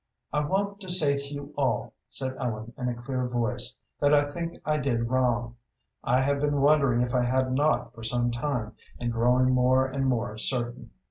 "I want to say to you all," said Ellen, in a clear voice, "that I think I did wrong. I have been wondering if I had not for some time, and growing more and more certain.